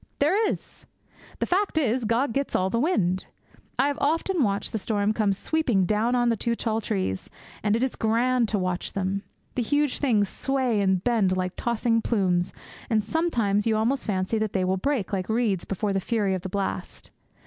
There is! The fact is, Gog gets all the wind. I have often watched the storm come sweeping down on the two tall trees, and it is grand to watch them. The huge things sway and bend like tossing plumes, and sometimes you almost fancy that they will break like reeds before the fury of the blast.